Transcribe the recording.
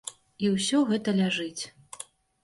І ўсё гэта ляжыць.